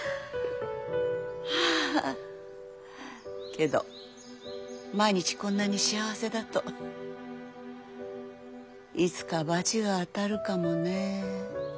あけど毎日こんなに幸せだといつかバチが当たるかもね。